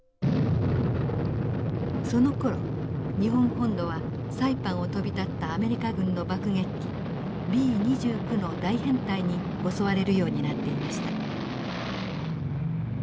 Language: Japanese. そのころ日本本土はサイパンを飛び立ったアメリカ軍の爆撃機Ｂ２９の大編隊に襲われるようになっていました。